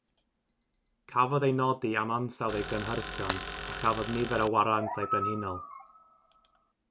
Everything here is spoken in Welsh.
Cafodd ei nodi am ansawdd ei gynhyrchion a chafodd nifer o warantau brenhinol.